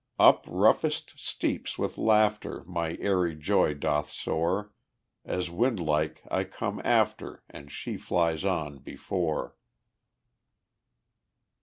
Up roughest steeps with laughter My airy joy doth soar, As wind like I come after, And she flies on before.